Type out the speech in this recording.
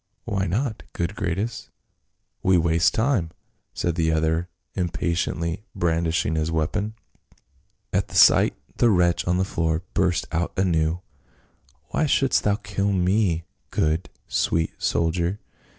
" Why not, good Gratus. We waste time," said the other, impatiently brandishing his weapon. At the sight the wretch on the floor burst out anew. " Why shouldst thou kill me, good, sweet soldier